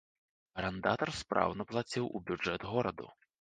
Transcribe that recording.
Арандатар спраўна плаціў у бюджэт гораду.